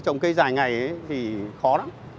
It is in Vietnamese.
trồng cây dài ngày thì khó lắm